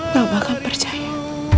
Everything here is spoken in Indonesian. kamu akan percaya